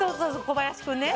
小林君ね。